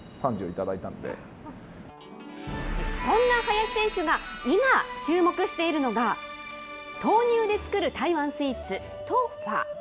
そんな林選手が今、注目しているのが、豆乳で作る台湾スイーツ、トウファ。